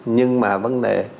nhưng mà vấn đề